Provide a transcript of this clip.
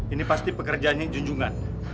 ini pasti pekerjaannya junjungan